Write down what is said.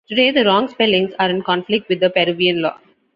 Today the wrong spellings are in conflict with the Peruvian law.